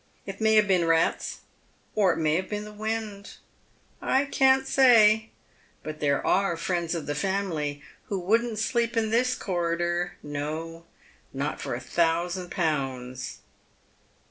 It may have been rats, or it may have been the wind. I can't say. But there are friends of the family who wouldn't sleep ic this corridor, no, not for a thousand pounds."